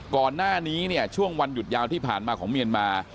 ก่อนหน้านี้เนี่ยช่วงวันหยุดยาวที่ผ่านมาของเมียนมา